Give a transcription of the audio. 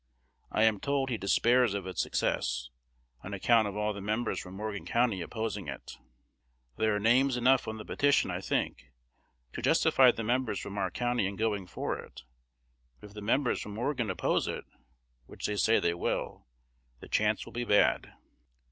I am told he despairs of its success, on account of all the members from Morgan County opposing it. There are names enough on the petition, I think, to justify the members from our county in going for it; but if the members from Morgan oppose it, which they say they will, the chance will be bad.